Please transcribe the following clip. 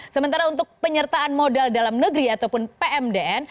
sementara untuk penyertaan modal dalam negeri ataupun pmdn